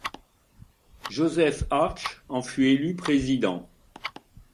Joseph Arch en fut élu Président.